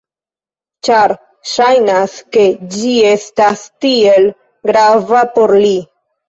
Ĉar ŝajnas ke ĝi estas tiel grava por li.